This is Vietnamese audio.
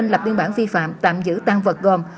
lập biên bản vi phạm tạm giữ tăng vật gồm